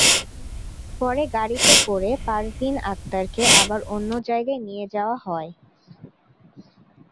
পরে গাড়িতে করে পারভীন আক্তারকে আবার অন্য জায়গায় নিয়ে যাওয়া হয়।